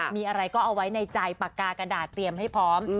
มีอะไรก็เอาไว้ในใจปากกากระดาษเตรียมให้พร้อม